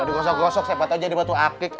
gak dikosok kosok sepatu aja di batu akik